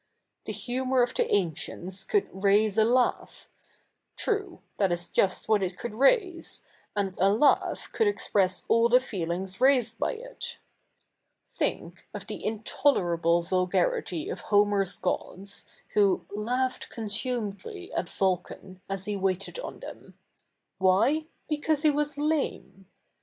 The humour of the ancie7its could 7'aise a laugh ; t7'ue — that is just what it could raise, and a laugh could express all the feelings raised by it. Think of the i7itolerable zudgarity of Home7^s gods, who '' laughed consu??iedly " at Vulca7i, as he waited 07i thetn, — zvhy ? because he zvas la77ie.